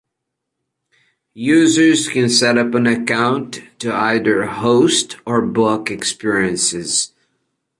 Users can set up an account to either host or book experiences.